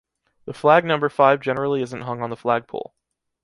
The flag number five generally isn’t hung on the flagpole.